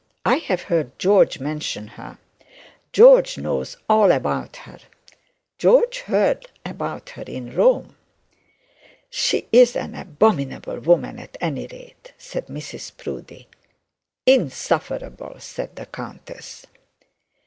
I have heard George mention her. George knows all about her. George heard about her in Rome.' 'She's an abominable woman at any rate,' said Mrs Proudie. 'Insufferable,' said the countess.